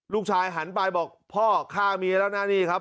หันไปบอกพ่อฆ่าเมียแล้วนะนี่ครับ